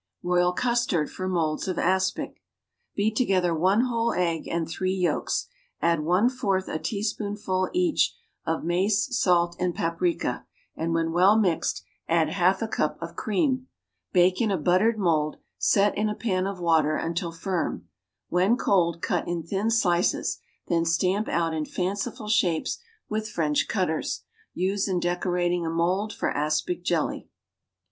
=Royal Custard for Moulds of Aspic.= Beat together one whole egg and three yolks; add one fourth a teaspoonful, each, of mace, salt and paprica, and, when well mixed, add half a cup of cream. Bake in a buttered mould, set in a pan of water, until firm. When cold cut in thin slices, then stamp out in fanciful shapes with French cutters. Use in decorating a mould for aspic jelly.